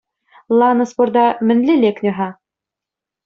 Лана спорта мӗнле лекнӗ-ха?